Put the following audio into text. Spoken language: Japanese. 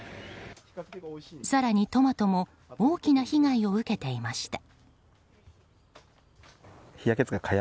更に、トマトも大きな被害を受けていました。